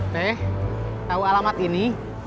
nih tahu alamat ini